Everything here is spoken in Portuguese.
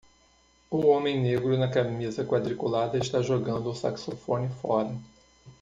O homem negro na camisa quadriculada está jogando o saxofone fora.